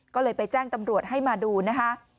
ก็เลยไปแจ้งตำรวจให้มาดูนะคะ